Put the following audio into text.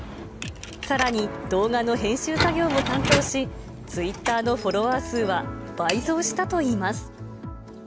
さらに、動画の編集作業も担当し、ツイッターのフォロワー数は倍増したといいます。